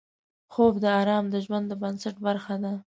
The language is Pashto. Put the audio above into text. خوب د آرام د ژوند د بنسټ برخه ده